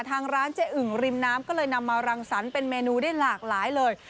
ทางร้านเจ๊อึ่งริมน้ำก็เลยนำมารังสรรค์เป็นเมนูได้หลากหลายเลย